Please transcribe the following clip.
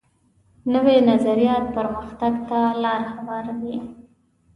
نوی نظریات پرمختګ ته لار هواروي